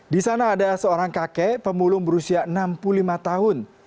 di sana ada seorang kakek pemulung berusia enam puluh lima tahun